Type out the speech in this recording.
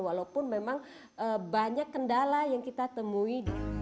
walaupun memang banyak kendala yang kita temui